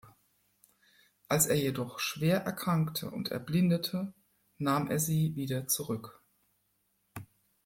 Als er jedoch schwer erkrankte und erblindete, nahm er sie wieder zurück.